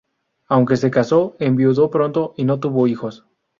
Aunque se casó, enviudó pronto y no tuvo hijos.